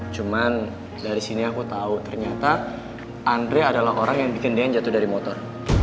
cuman dari sini aku tahu ternyata andre adalah orang yang bikin dia yang jatuh dari motor